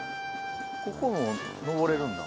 ここも登れるんだ。